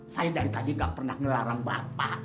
saya dari tadi gak pernah ngelarang bapak